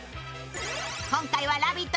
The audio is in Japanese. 今回は「ラヴィット！」